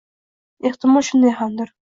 Ehtimol shunday hamdir.